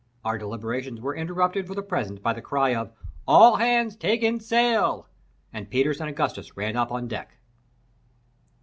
Our deliberations were interrupted for the present by the cry of, "All hands take in sail," and Peters and Augustus ran up on deck.